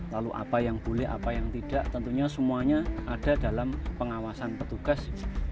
lalu apa yang boleh apa yang tidak tentunya semuanya ada dalam pengawasan petugas